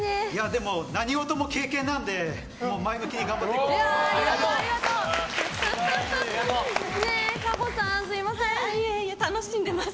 でも、何事も経験なんで前向きに頑張っていこうと思います。